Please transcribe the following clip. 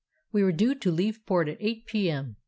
"We were due to leave port at 8 p.m.